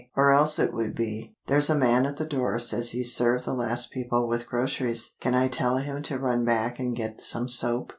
Or else it would be, "There's a man at the door says he served the last people with groceries. Can I tell him to run back and get some soap?